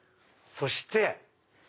そして。